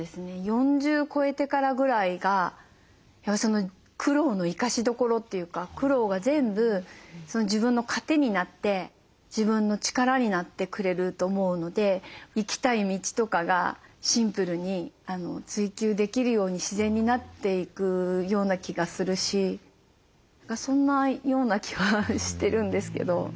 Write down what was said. ４０超えてからぐらいがその苦労の生かしどころというか苦労が全部自分の糧になって自分の力になってくれると思うのでいきたい道とかがシンプルに追求できるように自然になっていくような気がするしそんなような気はしてるんですけど。